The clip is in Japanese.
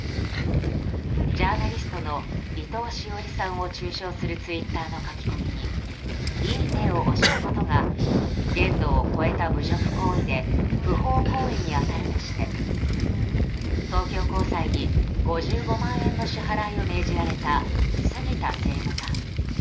ジャーナリストの伊藤詩織さんを中傷するツイッターの書き込みにいいねを押したことが限度を超えた侮辱行為で不法行為に当たるとして東京高裁に５５万円の支払いを命じられた杉田政務官。